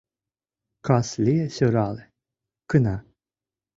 Кас лие сӧрале, кына.